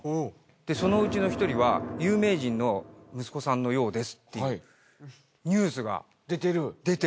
そのうちの１人は有名人の息子さんのようですってニュースが出てる。